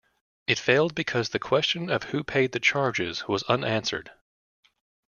It failed because the question of who paid the charges was unanswered.